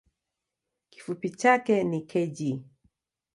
Kifupi chake ni kg.